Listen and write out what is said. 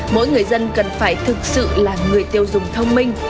mỗi người dân cần phải thực sự là người tiêu dùng thông minh